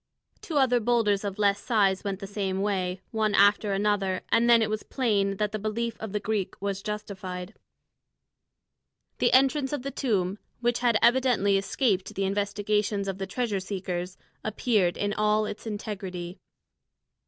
Two other boulders of less size went the same way, one after another, and then it was plain that the belief of the Greek was justified. The entrance to a tomb, which had evidently escaped the investigations of the treasure seekers, appeared in all its integrity.